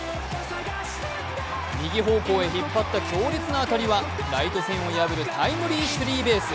右方向へ引っ張った強烈な当たりはライト線を破るタイムリースリーベース。